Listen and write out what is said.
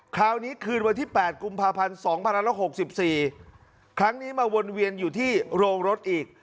คราวนี้คืนวันที่แปดกุมภาพันธ์สองพันห้าร้อยหกสิบสี่ครั้งนี้มาวนเวียนอยู่ที่โรงรถอีก